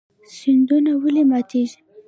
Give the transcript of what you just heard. سیندونه ولې ماتیږي؟